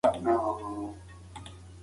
تمدنونه له کومو عواملو څخه منځ ته راځي؟